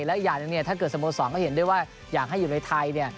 และอีกอย่างนี้ถ้าเกิดสมส่องก็เห็นด้วยว่าอยากให้อยู่ในไทย